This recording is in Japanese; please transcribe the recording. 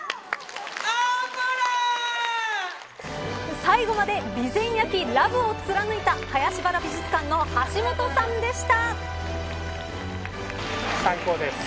最後まで備前焼ラブを貫いた林原美術館の橋本さんでした。